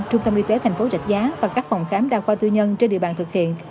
trung tâm y tế tp giạch giá và các phòng khám đa khoa tư nhân trên địa bàn thực hiện